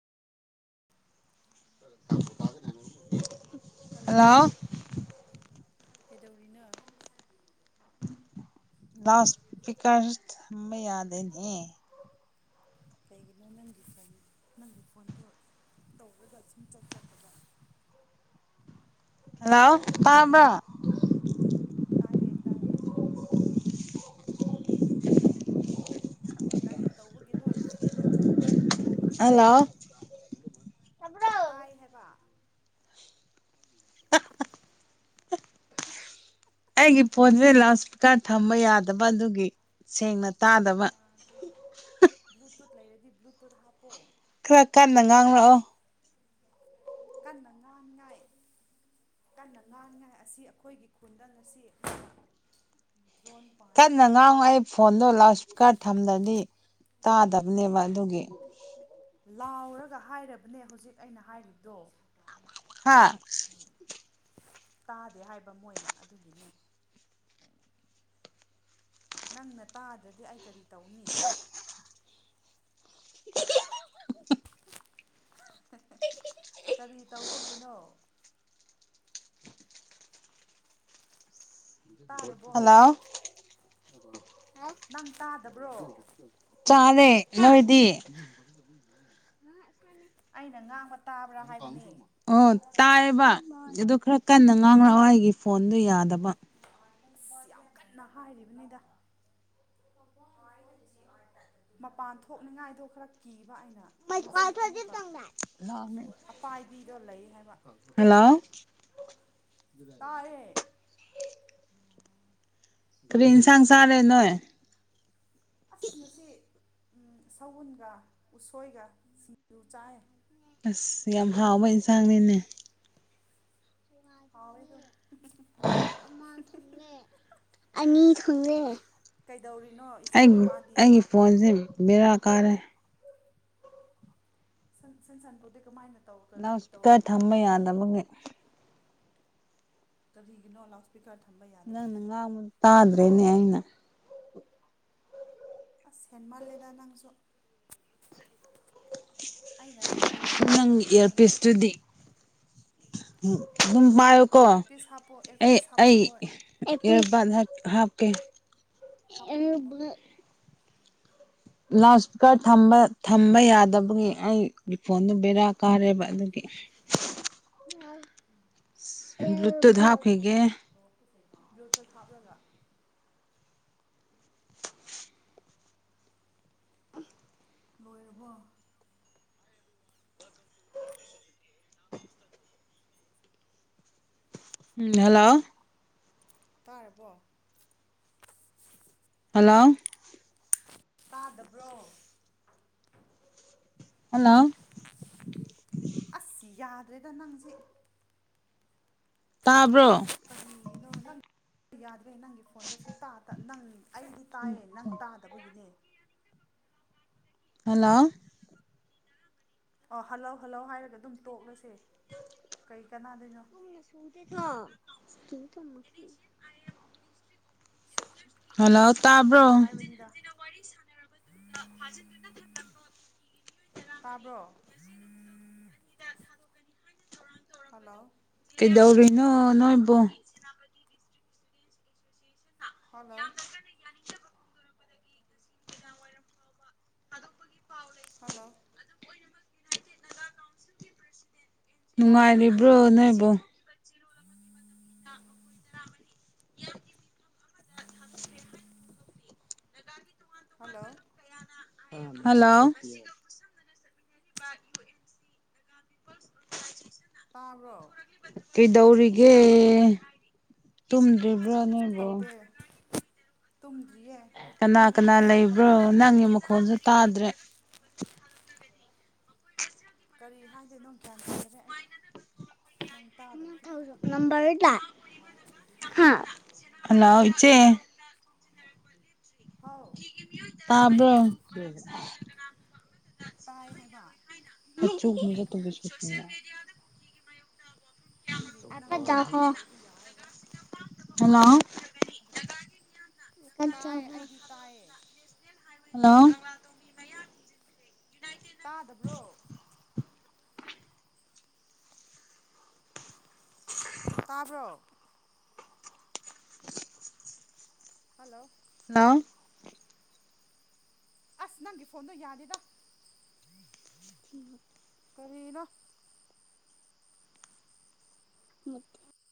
[inaudible] Hello hello ꯀꯩꯗꯧꯔꯤꯅꯣ [unintelligible] ꯌꯥꯗꯅꯤ ꯀꯩꯒꯤꯅꯣ ꯅꯪꯒꯤ ꯐꯣꯟ ꯅꯪꯒꯤ ꯐꯣꯟꯗꯣ ꯇꯧꯔꯒ ꯁꯨꯝ ꯆꯠ ꯆꯠꯇꯕ ꯍꯜꯂꯣ ꯇꯥꯕ꯭ꯔꯣ ꯇꯥꯌꯦ ꯇꯥꯌꯦ ꯀꯔꯤ ꯇꯧꯕꯒꯤꯅꯣ ꯐꯦꯟ ꯃꯈꯣꯟꯅ ꯌꯥꯝ ꯀꯂꯅ ꯍꯜꯂꯣ ꯇꯥꯏ ꯍꯥꯏꯕ ꯑꯩꯒꯤ ꯄꯣꯟꯠꯁꯦ ꯂꯥꯎꯗ ꯏꯁꯄꯤꯀꯥꯔ ꯊꯝꯕ ꯌꯥꯗꯕ ꯑꯗꯨꯒꯤ ꯁꯦꯡꯅ ꯇꯥꯗꯕ [inaudible] ꯂꯩꯗꯤ ꯕ꯭ꯂꯨꯇꯨꯠ ꯍꯥꯄꯣ ꯈꯔ ꯀꯟꯅ ꯉꯥꯡꯂꯛꯑꯣ ꯀꯟꯅ ꯉꯥꯡꯉꯥꯏ ꯀꯟꯅ ꯉꯥꯡꯉꯥꯏ ꯑꯁꯤ ꯑꯩꯈꯣꯏꯒꯤ ꯈꯨꯟꯗ ꯉꯁꯤ ꯗ꯭ꯔꯣꯟ ꯄꯥꯏ ꯀꯟꯅ ꯍꯥꯏ ꯉꯥꯡ ꯑꯩ ꯐꯣꯟꯗꯣ ꯂꯥꯎꯠ ꯏꯁꯄꯤꯀꯔ ꯊꯝꯗ꯭ꯔꯗꯤ ꯇꯥꯗꯕꯅꯦꯕ ꯑꯗꯨꯒꯤ ꯂꯥꯎꯔꯒ ꯍꯥꯏꯔꯕꯅꯦ ꯍꯧꯖꯤꯛ ꯑꯩꯅ ꯍꯥꯏꯔꯤꯕꯗꯣ ꯍꯥꯥ ꯇꯥꯗꯦ ꯍꯥꯏꯕ ꯃꯣꯏꯅ ꯑꯗꯨꯒꯤꯅꯤ ꯅꯪꯅ ꯇꯥꯗ꯭ꯔꯗꯤ ꯑꯩ ꯀꯔꯤ ꯇꯧꯅꯤ [unintelligible] [unintelligible] ꯀꯔꯤ ꯇꯧ ꯕꯒꯤꯅꯣ ꯇꯥꯔꯕꯣ ꯍꯜꯂꯣ ꯑ [unintelligible] ꯅꯪ ꯇꯥꯗꯕ꯭ꯔꯣ ꯆꯥꯔꯦ ꯅꯣꯏꯗꯤ ꯑꯩꯅ ꯉꯥꯡꯕ ꯇꯥꯕ꯭ꯔꯥ ꯍꯥꯏꯕꯅꯦ ꯑꯣ ꯇꯥꯏꯌꯦꯕ ꯑꯗꯨ ꯈꯔ ꯀꯟꯅ ꯉꯥꯡ ꯂꯛꯑꯣ ꯑꯩꯒꯤ ꯐꯣꯟꯗꯨ ꯌꯥꯗꯕ ꯑꯁ ꯌꯥꯝ ꯀꯟꯅ ꯍꯥꯏꯔꯤꯕꯅꯤꯗ ꯃꯄꯥꯟ ꯊꯣꯛꯅꯤꯡꯉꯥꯏꯗꯣ ꯈꯔ ꯀꯤ ꯕ ꯑꯩꯅ ꯉꯁꯤ ꯑꯃꯨꯛꯀ ꯑꯄꯥꯏꯕꯤꯗꯣ ꯂꯩ ꯍꯥꯏꯕ ꯍꯜꯂꯣ ꯑꯗꯨꯒꯤ ꯇꯥꯔꯦ ꯀꯔꯤ ꯏꯟꯁꯥꯡ ꯆꯔꯦ ꯅꯣꯏ ꯑꯁ ꯉꯁꯤ ꯁꯎꯟꯒ ꯎꯁꯣꯏꯒ ꯁꯤꯡꯖꯨ ꯆꯥꯏ ꯑꯁ ꯌꯥꯝ ꯍꯥꯎꯕ ꯅꯣꯏꯗꯤ ꯏꯟꯁꯥꯡꯅꯤꯅꯦ ꯍꯥꯎꯋꯦ ꯑꯗꯨꯝ ꯃꯥ ꯊꯨꯡꯂꯦ ꯑꯅꯤ ꯊꯨꯡꯂꯦ ꯀꯩꯗꯧꯔꯤꯅꯣ ꯏꯆꯥ ꯅꯨꯄꯥꯗꯤ ꯐꯣꯟꯁꯦ ꯕꯦꯔꯥ ꯀꯥꯔꯦ ꯁꯟꯁꯥꯟꯄꯣꯠꯇ ꯀꯃꯥꯏꯅꯦ ꯂꯥꯎꯏꯁ꯭ꯄꯤꯀꯔ ꯊꯝꯕ ꯌꯥꯗꯕꯒꯤ ꯀꫪꯤꯒꯤ ꯅꯣ ꯂꯥꯎꯁ ꯅꯪ ꯅ ꯉꯥꯡꯕꯗꯣ ꯇꯥꯗ꯭ ꯔꯦꯅꯦ ꯑꯩꯅ ꯑꯁ ꯍꯦꯟꯃꯟꯂꯦꯗ ꯅꯪꯁꯨ ꯑꯩꯅ ꯁꯤꯗ ꯂꯥꯎꯔꯒ ꯂꯩꯔꯕꯅꯦ ꯎꯝ ꯎ ꯎꯝ ꯄꯥꯏꯌꯨꯀꯣ ꯑꯦꯌꯔꯄꯤꯁ ꯍꯥꯞꯄꯣ ꯑꯩ ꯑꯦꯌꯔꯄꯤꯁ ꯍꯥꯞꯄꯣ ꯑꯩ ꯍꯣꯏ ꯏ ꯏꯌꯔ ꯄꯥꯠ ꯍꯥꯞ ꯍꯥꯞꯀꯦ ꯍꯥꯞꯄꯣ ꯍꯥꯞꯄꯣ ꯑꯦꯕꯨ ꯂꯥꯎꯠ ꯏꯁꯄꯤꯀꯔꯝꯕ ꯊꯝꯕ ꯌꯥꯗꯕꯒꯤ ꯑꯩꯒꯤ ꯐꯣꯟꯗꯨ ꯕꯦꯔꯥ ꯀꯥꯔꯦꯕ ꯑꯗꯨꯒꯤ ꯁꯤꯁ ꯕ꯭ꯂꯨꯇꯨꯠ ꯍꯥꯞꯈꯤꯒꯦ ꯇꯨꯠ ꯍꯥꯞꯂꯒ ꯂꯣꯏꯔꯕꯣ ꯎꯝ ꯍꯜꯂꯣ ꯇꯥꯔꯕꯣ ꯍꯜꯂꯣ ꯇꯥꯗꯕ꯭ꯔꯣ ꯍꯜꯂꯣ ꯑꯁ ꯌꯥꯗ꯭ꯔꯦꯗ ꯅꯪꯁꯤ ꯇꯥꯕ꯭ꯔꯣ ꯌꯥꯗ ꯅꯪꯒꯤ ꯐꯣꯟꯗꯣ ꯁꯨꯡ ꯇ ꯅꯪ ꯑꯩꯗꯤ ꯇꯥꯏꯌꯦ ꯅꯪ ꯇꯥꯗꯕꯒꯤꯅꯦ ꯍꯜꯂꯣ ꯑꯣ ꯍꯜꯂꯧ ꯍꯜꯂꯧ ꯍꯥꯏꯔꯒ ꯑꯗꯨꯝ ꯇꯣꯛꯂꯁꯦ ꯀ ꯅ ꯗꯥꯏꯅꯣ [inaudible] ꯁꯨꯝ ꯍꯜꯂꯣ ꯇꯥꯕ꯭ꯔꯣ ꯀꯔꯤꯅꯣ ꯍꯥꯏꯕꯅꯤꯗ ꯇꯥꯕ꯭ꯔꯣ ꯍꯜꯂꯣ ꯀꯩꯗꯧꯔꯤꯅꯣ ꯅꯣꯏ ꯏꯕꯣ ꯍꯜꯂꯣ ꯍꯜꯂꯣ ꯇꯥꯗꯕ꯭ꯔꯣ ꯅꯨꯡꯉꯥꯏꯔꯤꯕ꯭ꯔꯣ ꯅꯣꯏꯕꯨ [inaudible] ꯍꯜꯂꯣ ꯍꯜꯂꯣ ꯇꯥꯔꯕ꯭ꯔꯣ ꯀꯩꯗꯧꯔꯤꯒꯦ ꯇꯨꯝ ꯗꯕ꯭ꯔ ꯔꯤꯕꯣ ꯇꯨꯡꯒꯤ ꯀꯅꯥ ꯀꯅꯥ ꯂꯩꯕ꯭ꯔꯣ ꯅꯪꯒꯤ ꯂꯩꯅꯔꯤꯅꯤ ꯃꯈꯣꯟꯜꯁꯨ ꯇꯥꯗ꯭ꯔꯦ ꯀꯔꯤ ꯍꯥꯏꯗꯣꯏ ꯅꯅꯨꯡ ꯀ꯭ꯌꯥꯟ ꯇꯥꯗꯦ ꯑꯩ ꯅꯪ ꯇꯥꯗ꯭ꯔꯗꯤ ꯖ ꯅꯝꯕꯔ ꯍꯂꯑꯣꯁꯦ ꯒꯤ ꯇꯕ ꯑ ꯇꯥꯏ ꯍꯥꯏꯕ ꯆꯁ ꯇꯁ ꯅꯪꯒꯤ ꯅꯪꯗꯣ ꯑꯗꯨꯃꯥꯏꯅ ꯇꯧꯔꯤ ꯌꯥꯔꯒ ꯍꯜꯂꯣ ꯑꯗꯨ ꯇꯥꯏ ꯑꯩꯗꯤ ꯇꯥꯏꯌꯦ ꯍꯜꯂꯣ ꯇꯥꯗꯕ꯭ꯔꯣ ꯇꯥꯔꯕ꯭ꯔꯣ ꯍꯜꯂꯣ ꯍꯦꯜꯂꯣ ꯑꯁ ꯅꯪꯒꯤ ꯐꯣꯟꯗꯣ ꯌꯥꯗꯦꯗ [unintelligible] ꯀꯔꯤꯅꯣ? ꯃ [inaudible]